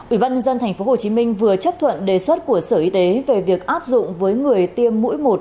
ủy ban nhân dân tp hcm vừa chấp thuận đề xuất của sở y tế về việc áp dụng với người tiêm mũi một